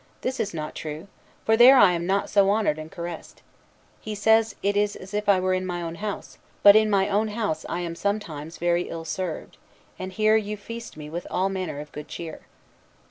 This is not true; for there I am not so honored and caressed. He says it is as if I were in my own house; but in my own house I am some times very ill served, and here you feast me with all manner of good cheer."